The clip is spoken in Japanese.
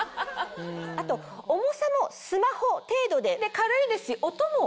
あと重さもスマホ程度で軽いですし音も。